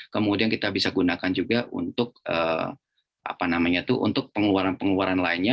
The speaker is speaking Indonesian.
kemudian kita bisa gunakan juga untuk pengeluaran pengeluaran lainnya